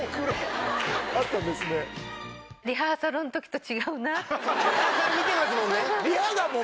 リハーサル見てますもんね！